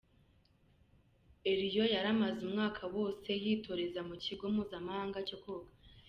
Eloi yaramaze umwaka wose yitoreza mukigo mpuza mahanga cyo koga